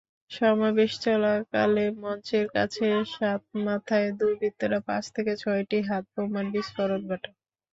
সমাবেশ চলাকালে মঞ্চের কাছে সাতমাথায় দুর্বৃৃত্তরা পাঁচ থেকে ছয়টি হাতবোমার বিস্ফোরণ ঘটায়।